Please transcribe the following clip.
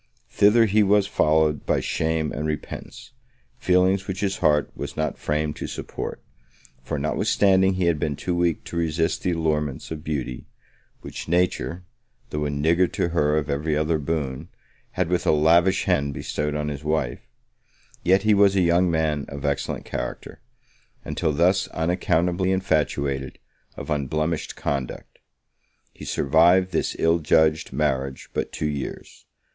Thither he was followed by shame and repentance; feelings which his heart was not framed to support; for, notwithstanding he had been too weak to resist the allurements of beauty, which nature, though a niggard to her of every other boon, had with a lavish hand bestowed on his wife; yet he was a young man of excellent character, and, till thus unaccountably infatuated, of unblemished conduct. He survived this ill judged marriage but two years.